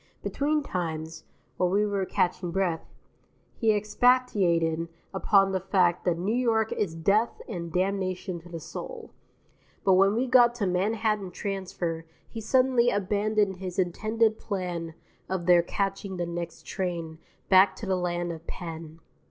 Between times, while we were catching breath, he expatiated upon the fact that New York is death and damnation to the soul; but when we got to Manhattan Transfer he suddenly abandoned his intended plan of there catching the next train back to the land of Penn.